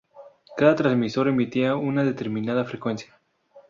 Cada transmisor emitirá a una determinada frecuencia.